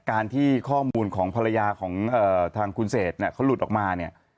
การที่ข้อมูลของภรรยาของทางคุณเศษเนี่ยเขาหลุดออกมาเนี่ย